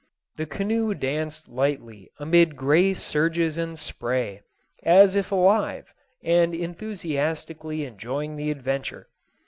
The canoe danced lightly amid gray surges and spray as if alive and enthusiastically enjoying the adventure.